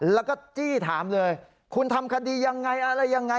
แล้วก็จี้ถามเลยคุณทำคดียังไงอะไรยังไง